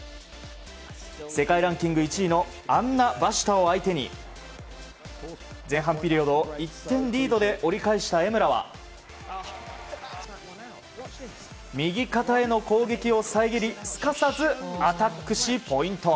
世界ランキング１位のアンナ・バシュタを相手に前半ピリオド１点リードで折り返した江村は右肩への攻撃を遮りすかさずアタックしポイント。